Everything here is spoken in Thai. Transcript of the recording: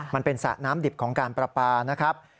มันเป็นสระน้ำดิบของการประปานะครับ